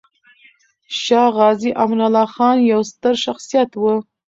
شاه غازي امان الله خان يو ستر شخصيت و.